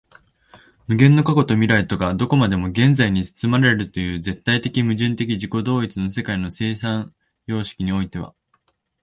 無限の過去と未来とがどこまでも現在に包まれるという絶対矛盾的自己同一の世界の生産様式においては、